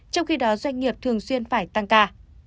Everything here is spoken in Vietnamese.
trong khi đó doanh nghiệp thường xuyên phải tăng ca